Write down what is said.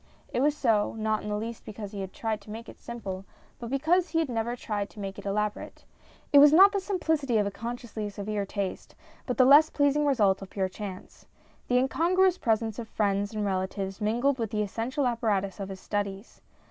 It was so, not in the least because he had tried to make it simple, but because he had never tried to make it elaborate. It was not the simplicity of a consciously severe taste, but the less pleasing result of pure chance. The in congruous presents of friends and relatives mingled with the essential apparatus of his studies.